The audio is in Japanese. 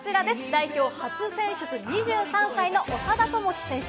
代表初選出、２３歳の長田智希選手。